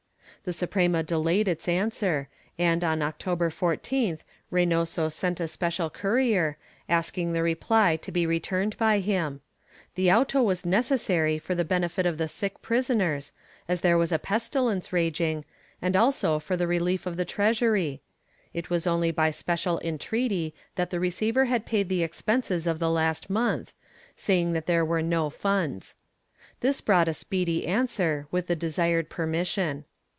The Suprema delayed its answer and, on October 14th, Reynoso sent a special courier, asking the reply to be returned by him; the auto was necessary for the benefit of the sick prisoners, as there was a pestilence raging, and also for the relief of the treasury ; it was only by special entreaty that the receiver had paid the expenses of the last month, saying that there were no funds. This brought a speedy answer, with the desired permission.'